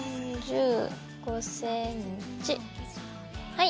はい。